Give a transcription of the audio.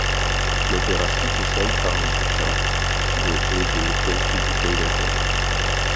L'opération se solde par un butin de et de quelques bouteilles d'alcool.